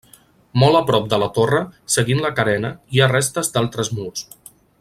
Molt a prop de la torre, seguint la carena, hi ha restes d'altres murs.